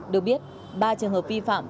được biết ba trường hợp vi phạm